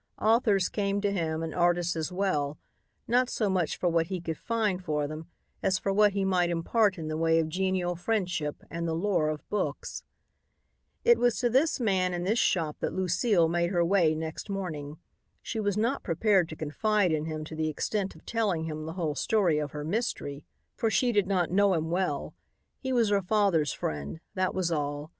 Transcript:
Authors came to him and artists as well, not so much for what he could find for them as for what he might impart in the way of genial friendship and the lore of books. It was to this man and this shop that Lucile made her way next morning. She was not prepared to confide in him to the extent of telling him the whole story of her mystery, for she did not know him well. He was her father's friend, that was all.